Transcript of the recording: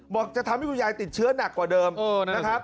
จะทำให้คุณยายติดเชื้อหนักกว่าเดิมนะครับ